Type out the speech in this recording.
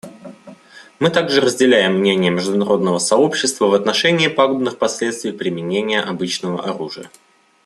Мы также разделяем мнение международного сообщества в отношении пагубных последствий применения обычного оружия.